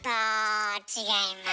違います。